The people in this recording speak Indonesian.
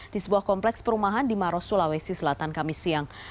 di sebuah kompleks perumahan di maros sulawesi selatan kamis siang